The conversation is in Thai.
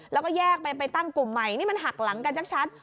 แล้วก็แยกไปไปตั้งกลุ่มใหม่นี่มันหักหลังกันชัด